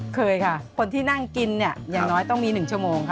เคยค่ะคนที่นั่งกินเนี่ยอย่างน้อยต้องมี๑ชั่วโมงค่ะ